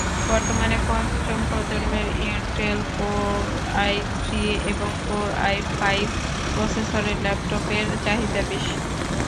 বর্তমানে পঞ্চম প্রজন্মের ইন্টেল কোর আইথ্রি এবং কোর আইফাইভ প্রসেসরের ল্যাপটপের চাহিদা বেশি।